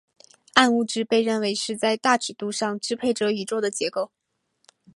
暗物质被认为是在大尺度上支配着宇宙的结构。